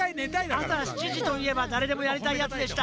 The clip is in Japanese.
あさ７じといえばだれでもやりたいやつでした。